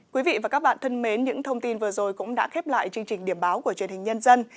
quý vị và các bạn thân mến những thông tin vừa rồi cũng đã khép lại chương trình điểm báo của truyền hình nhân dân